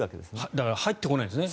だから入ってこないんですね。